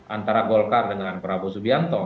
antara golkar dengan prabowo subianto